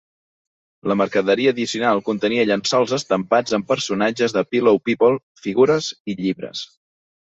La mercaderia addicional contenia llençols estampats amb personatges de Pillow People, figures i llibres.